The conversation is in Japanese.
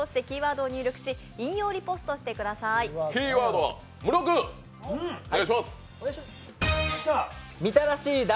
キーワードは室君お願いします。